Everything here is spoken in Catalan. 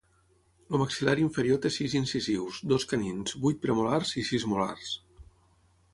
El maxil·lar inferior té sis incisius, dos canins, vuit premolars i sis molars.